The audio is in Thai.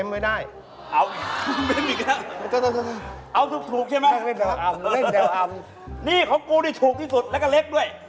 นี่ของกูได้ถูกที่สุดแล้วก็เล็กด้วย